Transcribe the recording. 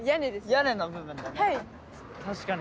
屋根の部分だよね。